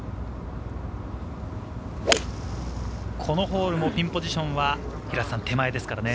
このホールもピンポジションは手前ですからね。